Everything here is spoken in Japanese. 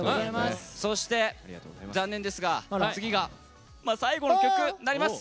そして、残念ですが次が最後の曲になります。